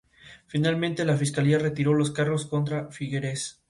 Está ubicado en la margen derecha, al sureste de la capital distrital.